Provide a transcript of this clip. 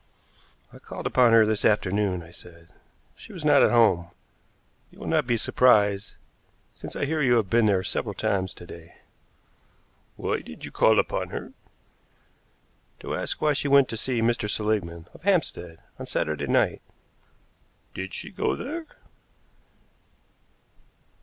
"I called upon her this afternoon," I said. "She was not at home. You will not be surprised, since I hear you have been there several times to day." "Why did you call upon her?" "To ask why she went to see Mr. Seligmann, of Hampstead, on Saturday night." "Did she go there?"